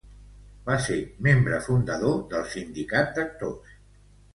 Va ser membre fundador del Sindicat d'Actors.